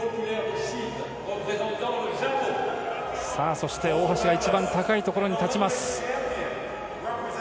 そして、大橋が一番高いところに立ちます。